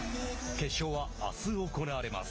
決勝は、あす行われます。